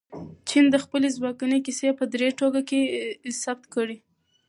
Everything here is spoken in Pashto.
جین د خپلې ځوانۍ کیسې په درې ټوکه کې ثبت کړې.